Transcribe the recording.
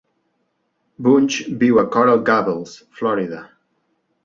Bunge viu a Coral Gables (Florida).